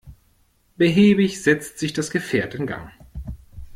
Behäbig setzt sich das Gefährt in Gang.